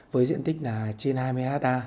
với diện tích là trên hai mươi ha